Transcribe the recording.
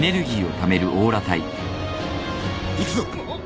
行くぞ。